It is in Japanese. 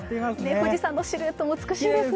富士山のシルエットも美しいですね。